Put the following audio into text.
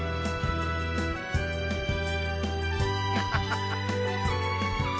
ハハハハ！